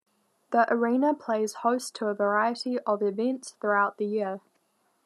The arena plays host to a variety of events throughout the year.